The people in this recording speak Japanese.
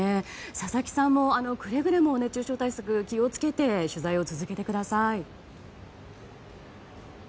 佐々木さんもくれぐれも熱中症対策気を付けて取材を続けてください。